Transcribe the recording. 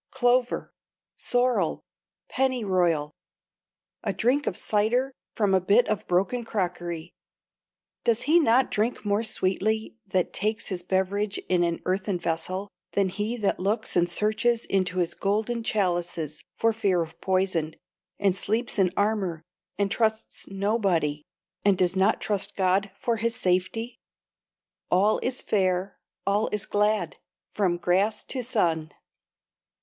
Clover. Sorrel. Pennyroyal. A drink of cider from a bit of broken crockery. ("Does he not drink more sweetly that takes his beverage in an earthen vessel than he that looks and searches into his golden chalices for fear of poison, and sleeps in armor, and trusts nobody, and does not trust God for his safety?") "All is fair all is glad from grass to sun!"